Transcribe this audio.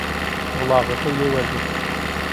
وڵاغهکهی لێ وهرگرت